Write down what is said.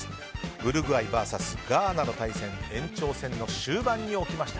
ウルグアイＶＳガーナの対戦延長戦の終盤に起きました。